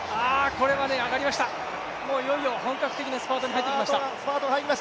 これは上がりました、いよいよ本格的なスパートに入ってきました。